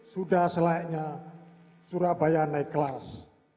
sudah selayaknya surabaya naik kelas